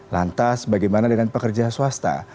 lantas bagaimana dengan pekerja swasta